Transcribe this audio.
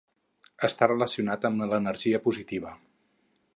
Està relacionat amb l'energia positiva.